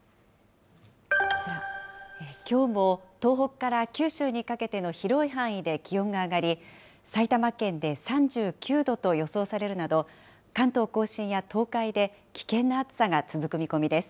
こちら、きょうも東北から九州にかけての広い範囲で気温が上がり、埼玉県で３９度と予想されるなど、関東甲信や東海で危険な暑さが続く見込みです。